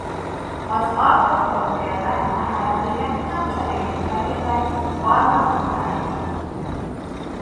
Az Alpoktól délre a hermelinek nem cserélik fehérre barna bundájukat.